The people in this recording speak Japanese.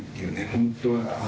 本当は。